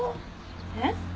えっ？